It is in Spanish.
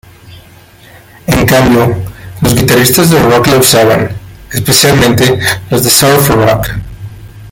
En cambio, los guitarristas de rock la usaban, especialmente los de surf rock.